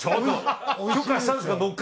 許可したんですか？